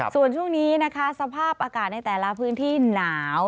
ส่วนช่วงนี้นะคะสภาพอากาศในแต่ละพื้นที่หนาว